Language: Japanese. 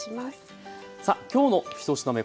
さあ今日の１品目